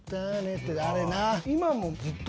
’ってあれな。